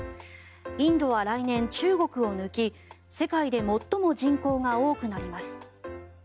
インドは来年、中国を抜き世界で最も人口が多くなります。